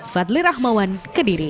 fadli rahmawan kediri